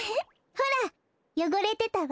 ほらよごれてたわ。